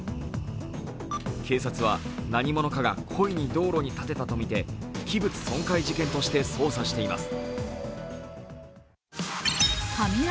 警察は何者かが故意に道路に立てたとみて器物損壊事件として捜査しています。